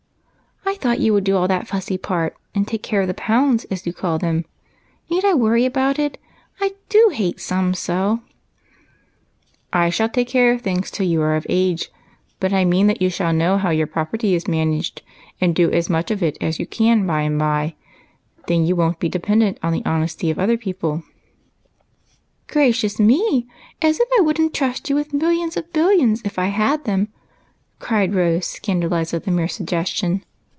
" "I thought you would do all that fussy part and take care of the pounds, as you call them. Need I worry about it ? I do hate sums so !"" I shall take care of things till you are of age, but I mean that you shall know how your property is man aged and do as much of it as you can by and by ; then you won't be dependent on the honesty of other people." 88 EIGHT COUSINS. " Gracious me ! as if I would n't trust you with mil lions of billions if I had them," cried Rose, scandalized at the mere suggestion.